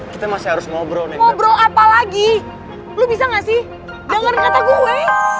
kita masih harus ngobrol ngobrol apalagi lu bisa enggak sih denger kata gue